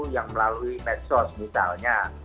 yang melalui medsos misalnya